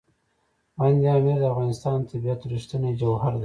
بند امیر د افغانستان د طبیعت رښتینی جوهر دی.